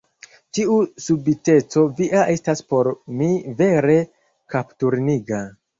Tiu subiteco via estas por mi vere kapturniga."